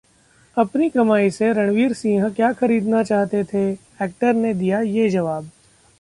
अपनी कमाई से रणवीर सिंह क्या खरीदना चाहते थे? एक्टर ने दिया ये जवाब